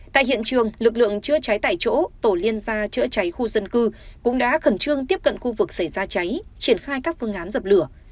tại hiện trường lực lượng chữa cháy tại chỗ tổ liên gia chữa cháy khu dân cư cũng đã khẩn trương tiếp cận khu vực xảy ra cháy triển khai các phương án dập lửa